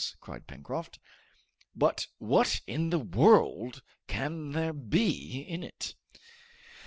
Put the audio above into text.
cried Pencroft. "But what in the world can there be in it?"